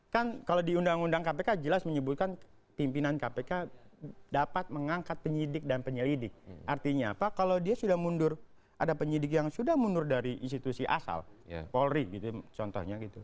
dan kalau di undang undang kpk jelas menyebutkan pimpinan kpk dapat mengangkat penyidik process ada penyidik yang sudah mundur dari institusi asal woelri gitu misalnya coiji